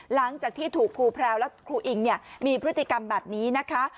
หลังจากที่ถูกครูแพรวและครูอิงมีพฤติกรรมแบบนี้นะคะ